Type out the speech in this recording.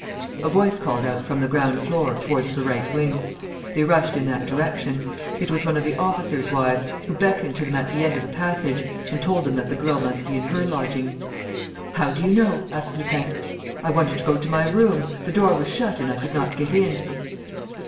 A voice called out from the ground floor, towards the right wing. They rushed in that direction. It was one of the officers' wives, who beckoned to them at the end of a passage and told them that the girl must be in her lodging. "How do you know?" asked Lupin. "I wanted to go to my room. The door was shut and I could not get in."